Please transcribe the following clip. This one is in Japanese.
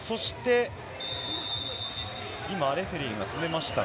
今、レフェリーが止めました。